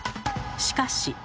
しかし。